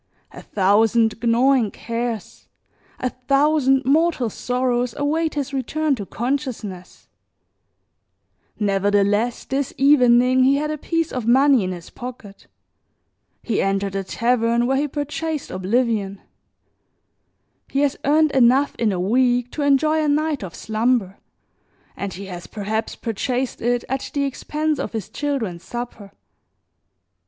A thousand gnawing cares, a thousand mortal sorrows await his return to consciousness; nevertheless, this evening he had a piece of money in his pocket, he entered a tavern where he purchased oblivion; he has earned enough in a week to enjoy a night of slumber and he has perhaps purchased it at the expense of his children's supper.